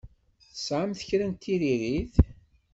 Tesɛamt kra n tiririt?